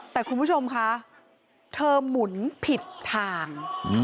แต่คุณผู้ชมคะเธอหมุนผิดทาง